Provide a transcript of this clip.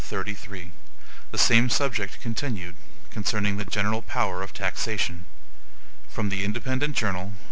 33 The Same Subject Continued (Concerning the General Power of Taxation) From The Independent Journal.